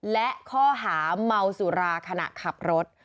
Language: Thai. และข้อหาเมาสุราขณะขับรถ